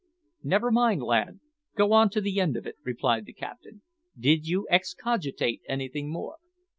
"Never mind, lad; go on to the end of it," replied the captain. "Did you excogitate anything more?"